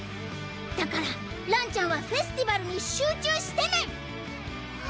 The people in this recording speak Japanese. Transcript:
だかららんちゃんはフェスティバルに集中してメン！